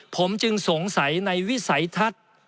ผมจึงสงสัยในวิสัยทัศน์